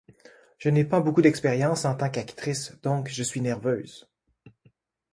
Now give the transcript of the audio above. Je n'ai pas beaucoup d'expérience en tant qu'actrice, donc je suis nerveuse.